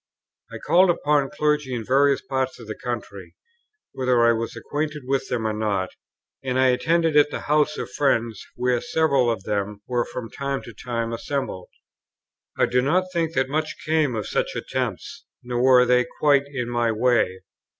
I called upon clergy in various parts of the country, whether I was acquainted with them or not, and I attended at the houses of friends where several of them were from time to time assembled. I do not think that much came of such attempts, nor were they quite in my way.